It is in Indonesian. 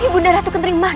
ibu narasuken ringman